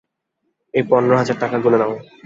এই পনেরো হজোর টাকা গুনে নাও।